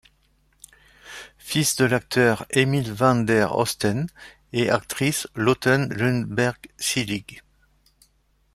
Fils de l'acteur Emil van der Osten et actrice Lotten Lundberg-Seelig.